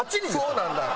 そうなんだよ。